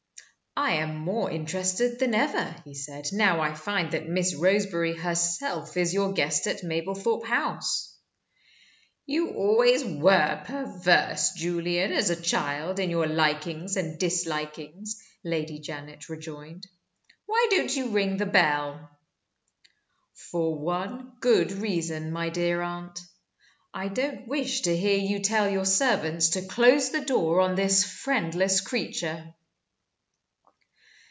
"I am more interested than ever," he said, "now I find that Miss Roseberry herself is your guest at Mablethorpe House." "You were always perverse, Julian, as a child, in your likings and dislikings," Lady Janet rejoined. "Why don't you ring the bell?" "For one good reason, my dear aunt. I don't wish to hear you tell your servants to close the door on this friendless creature."